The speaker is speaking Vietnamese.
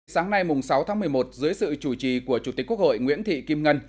sáng nay sáu tháng một mươi một dưới sự chủ trì của chủ tịch quốc hội nguyễn thị kim ngân